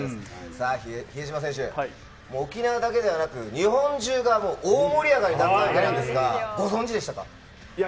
さあ、比江島選手、沖縄だけではなく、日本中がもう、大盛り上がりだったようですが、ご存じでしいや